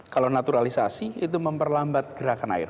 kalau naturalisasi itu memperlambat gerakan air